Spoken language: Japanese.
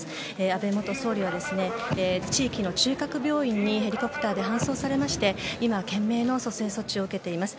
安倍元総理は地域の中核病院にヘリコプターで搬送されまして今、懸命の蘇生措置を受けています。